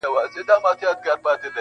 چي« رېبې به هغه څه چي دي کرلې»٫